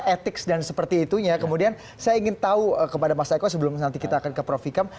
persoalan etik dan seperti itunya kemudian saya ingin tahu kepada mas taiko sebelum nanti kita akan ke proficam